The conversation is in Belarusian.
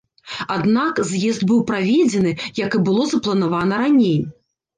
Аднак, з'езд быў праведзены, як і было запланавана раней.